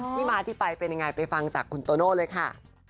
ที่มาที่ไปเป็นยังไงไปฟังจากคุณโตโน่เลยค่ะ